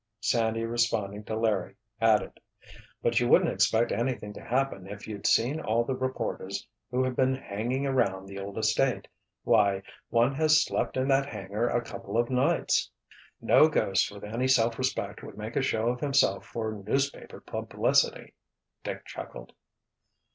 Sandy, responding to Larry, added: "But you wouldn't expect anything to happen if you'd seen all the reporters who have been 'hanging around' the old estate. Why, one has slept in that hangar a couple of nights." "No ghost with any self respect would make a show of himself for newspaper publicity!" Dick chuckled.